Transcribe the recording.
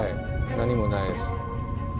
何もないです。